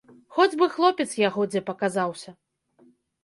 Хоць бы хлопец яго дзе паказаўся.